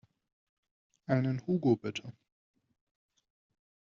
Einen Hugo bitte.